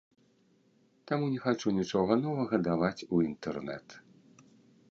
Таму не хачу нічога новага даваць у інтэрнэт.